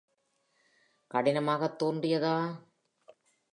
கடினமாகத் தோன்றியதா?